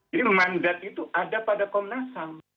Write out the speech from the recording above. jadi mandat itu ada pada komnas ham